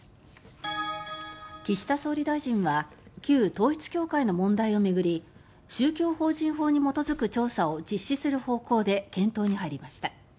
岸田総理大臣は旧統一教会の問題を巡り宗教法人法に基づく調査を実施する方向で検討に入りました。